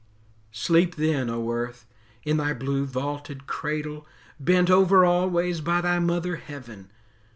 Sleep then, O Earth, in thy blue vaulted cradle, Bent over always by thy mother Heaven!